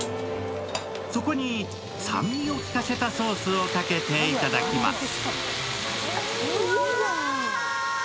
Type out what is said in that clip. そこに酸味を効かせたソースをかけていただきます。